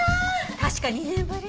確か２年ぶり？